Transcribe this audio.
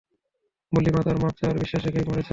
মাল্লি মা তোর মাফ চাওয়ায় বিশ্বাস রেখেই মরেছে।